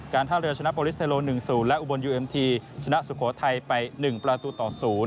ท่าเรือชนะโปรลิสเทโล๑๐และอุบลยูเอ็มทีชนะสุโขทัยไป๑ประตูต่อ๐